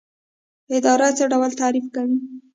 اداره څه ډول تعریف کوئ؟